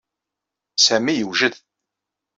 Sami yewjed.